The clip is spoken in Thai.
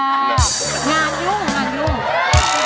งานยุ่งงานยุ่ง